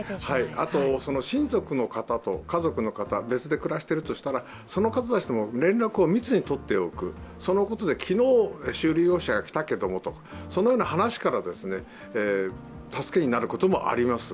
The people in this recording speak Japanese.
親族の方と家族の方別で暮らしているとしたらその方たちとも連絡を密にしておく、昨日、修理業者が来た、そのような話から助けになることもあります。